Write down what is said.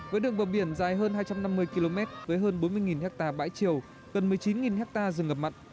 với đường bờ biển dài hơn hai trăm năm mươi km với hơn bốn mươi ha bãi chiều gần một mươi chín hectare rừng ngập mặn